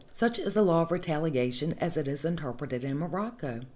Such is the law of retalia tion as it is interpreted in Morocco.